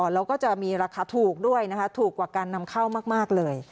แล้วก็จะมีราคาถูกด้วยนะคะถูกกว่าการนำเข้ามากเลย